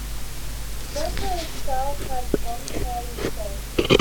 Most of the South had one-party states.